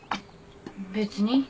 別に。